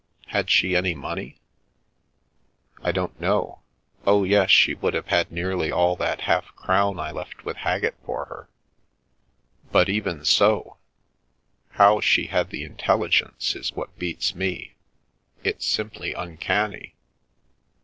Had she any money ?"" I don't know. Oh, yes, she would have had ne all that half crown I left with Haggett for her. even so, how she had the intelligence is what beats It's simply uncanny.